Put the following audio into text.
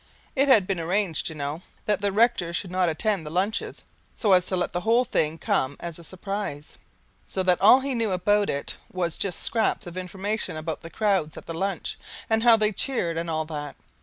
It had been arranged, you know, that the rector should not attend the lunches, so as to let the whole thing come as a surprise; so that all he knew about it was just scraps of information about the crowds at the lunch and how they cheered and all that.